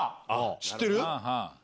知ってる？